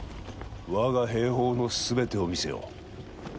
我が兵法の全てを見せよう。